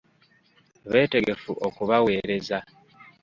Beetegefu okubaweereza.